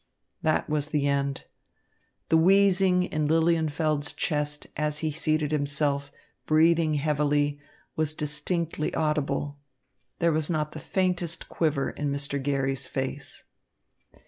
That was the end. The wheezing in Lilienfeld's chest, as he seated himself, breathing heavily, was distinctly audible. There was not the faintest quiver in Mr. Garry's face.